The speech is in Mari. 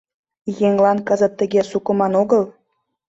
Еҥлан кызыт тыге сукыман огыл.